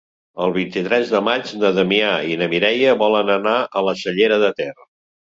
El vint-i-tres de maig na Damià i na Mireia volen anar a la Cellera de Ter.